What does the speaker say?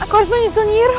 aku harus menyusul nyiroh